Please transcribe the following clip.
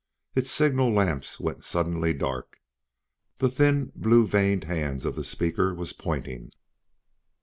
Its signal lamps went suddenly dark. The thin, blue veined hand of the speaker was pointing.